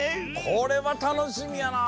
これはたのしみやな。